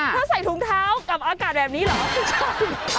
ถ้าใส่ถุงเท้ากับอากาศแบบนี้เหรอมิชชั่น